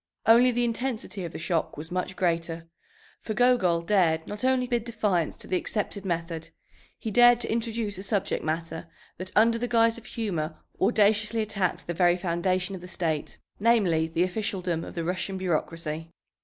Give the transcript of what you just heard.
Only the intensity of the shock was much greater. For Gogol dared not only bid defiance to the accepted method; he dared to introduce a subject matter that under the guise of humor audaciously attacked the very foundation of the state, namely, the officialdom of the Russian bureaucracy.